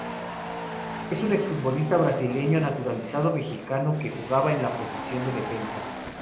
Es un exfutbolista brasileño naturalizado mexicano que jugaba en la posición de defensa.